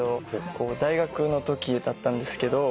大学のときだったんですけど。